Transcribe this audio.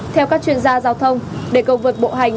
theo các chuyên gia giao thông để cầu vượt bộ hành